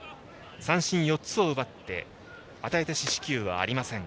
三振４つを奪って与えた四死球はありません。